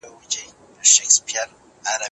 هغه څوک چي دروغ وايي، باور له لاسه ورکوي.